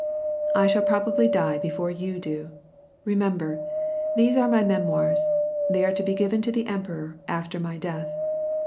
" I shall probably die before you do. Remember, these are my memoirs, they are to be given to the emperor, after luy death.